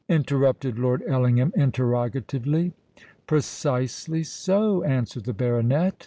interrupted Lord Ellingham interrogatively. "Precisely so," answered the baronet.